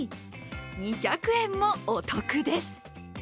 ２００円もお得です。